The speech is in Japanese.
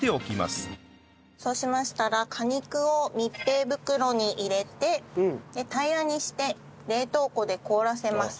そうしましたら果肉を密閉袋に入れて平らにして冷凍庫で凍らせます。